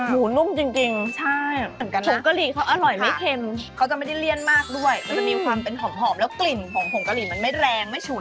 มันจะมีความเป็นหอมแล้วกลิ่นของผมกะหรี่มันไม่แรงไม่ฉุน